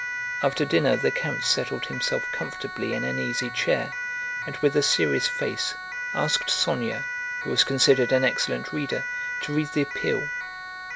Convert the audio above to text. After dinner the count settled himself comfortably in an easy chair and with a serious face asked Sónya, who was considered an excellent reader, to read the appeal.